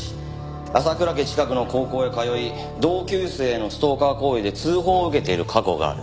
浅倉家近くの高校へ通い同級生へのストーカー行為で通報を受けている過去がある。